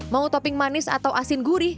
mau topping manis atau asin gurih